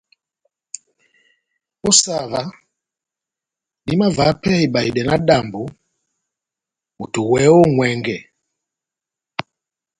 Ó sah óvah, nahimavaha pɛhɛ ibahedɛ náhádambɔ, moto wɛ́hɛ́pi ó ŋʼwɛngɛ !